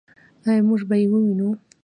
آیا موږ به یې ووینو؟